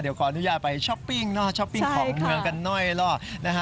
เดี๋ยวขออนุญาตไปช้อปปิ้งเนอะช้อปปิ้งของเมืองกันหน่อยล่ะนะฮะ